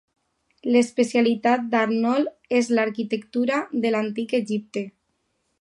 L'especialitat d'Arnold és l'arquitectura de l'antic Egipte.